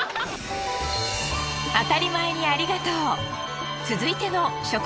あたりまえにありがとう。